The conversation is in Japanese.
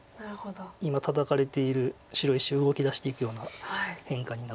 今タタかれている白石を動きだしていくような変化になって。